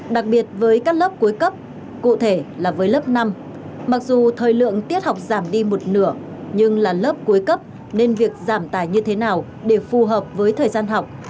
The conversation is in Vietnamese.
đặc biệt với các lớp cuối cấp cụ thể là với lớp năm mặc dù thời lượng tiết học giảm đi một nửa nhưng là lớp cuối cấp nên việc giảm tài như thế nào để phù hợp với thời gian học